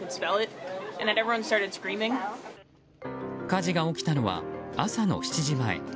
火事が起きたのは朝の７時前。